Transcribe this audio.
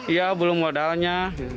iya belum modalnya